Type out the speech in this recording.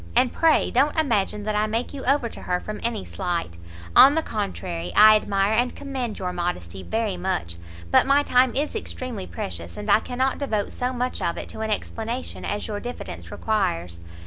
And pray don't imagine that I make you over to her from any slight; on the contrary, I admire and commend your modesty very much; but my time is extremely precious, and I cannot devote so much of it to an explanation as your diffidence requires."